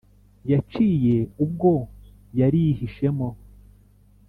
yaciye ubwo yarihishemo